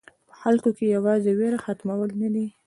په خلکو کې یوازې وېره ختمول نه دي.